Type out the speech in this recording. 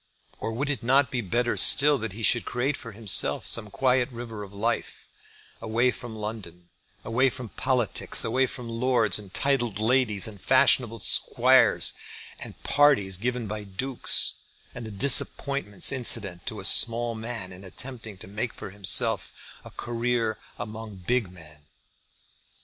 Or would it not be better still that he should create for himself some quiet river of life, away from London, away from politics, away from lords, and titled ladies, and fashionable squares, and the parties given by dukes, and the disappointments incident to a small man in attempting to make for himself a career among big men?